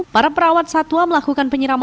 para perawat satwa melakukan penyerangan